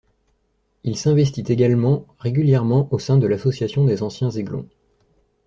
Il s’investit également régulièrement au sein de l'association des Anciens Aiglons.